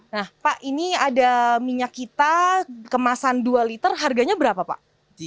nah pak ini ada minyak kita kemasan dua liter harganya berapa pak